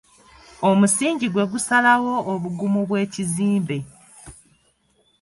Omusingi gwe gusalawo obugumu bw'ekizimbe.